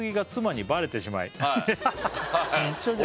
はい一緒じゃん